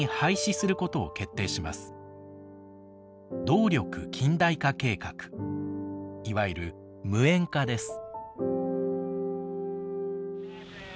動力近代化計画いわゆる無煙化です。